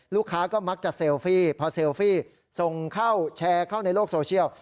ลูกค้าก็มักจะเซลฟี่พอเซลฟี่ส่งเข้าแชร์เข้าในโลกโซเชียล